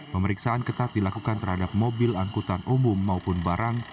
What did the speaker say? pemeriksaan ketat dilakukan terhadap mobil angkutan umum maupun barang